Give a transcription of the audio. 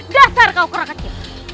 dasar kau krakatnya